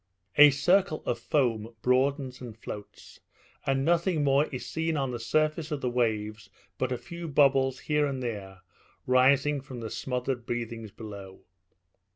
A circle of foam broadens and floats, and nothing more is seen on the surface of the waves but a few bubbles here and there rising from the smothered breathings below.